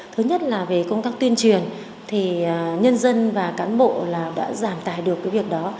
thứ nhất là về công tác tuyên truyền thì nhân dân và cán bộ đã giảm tài được cái việc đó